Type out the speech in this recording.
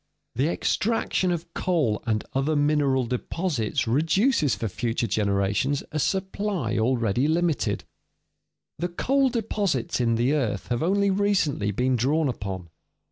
The extraction of coal and other mineral deposits reduces for future generations a supply already limited. The coal deposits in the earth have only recently been drawn upon.